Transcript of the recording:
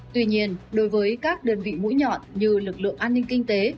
tuy nhiên đối với các đơn vị mũi nhọn như lực lượng an ninh kinh tế